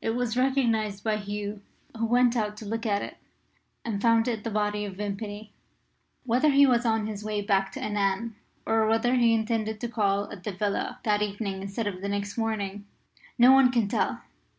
It was recognised by Hugh, who went out to look at it, and found it the body of Vimpany. Whether he was on his way back to Annan, or whether he intended to call at the villa that evening instead of next morning, no one can tell.